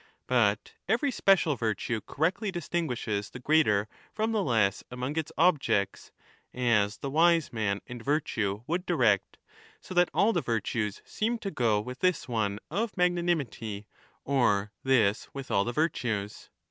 But every special virtue correctly distinguishes the greater from the less among its objects, as the wise man and virtue would direct, so that all the virtues seem to go with this one ot magnanimity, or this with all the virtues.